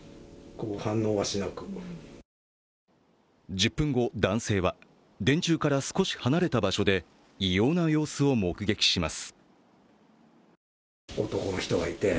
１０分後、男性は電柱から少し離れた場所で異様な様子を目撃します。